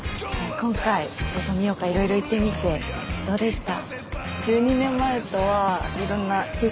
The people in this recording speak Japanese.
今回富岡いろいろ行ってみてどうでした？